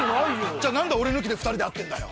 じゃあ何で俺抜きで２人で会ってんだよ。